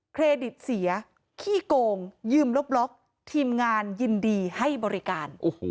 เครดิตเสียขี้โกงยืมลบล็อกทีมงานยินดีให้บริการ